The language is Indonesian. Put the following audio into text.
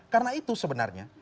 karena itu sebenarnya